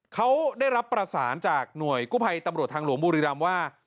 เขาได้รับประสานจากหน่วยกู้ภัยตำรวจทางหลวงบุรีรำว่า